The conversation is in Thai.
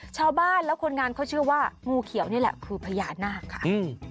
ชาวบ้านและคนงานเขาเชื่อว่างูเขียวนี่แหละคือพญานาคค่ะ